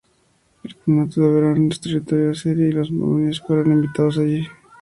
El kanato de Ereván era el territorio azerí y los armenios fueron invitados allí".